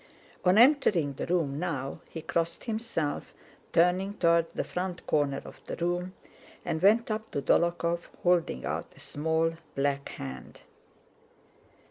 On entering the room now he crossed himself, turning toward the front corner of the room, and went up to Dólokhov, holding out a small, black hand.